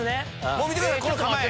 見てください